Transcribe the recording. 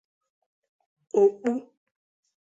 òkpú